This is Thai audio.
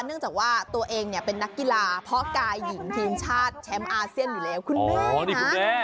เนื่องจากว่าตัวเองเนี่ยเป็นนักกีฬาเพาะกายหญิงทีมชาติแชมป์อาเซียนอยู่แล้วคุณแม่นะ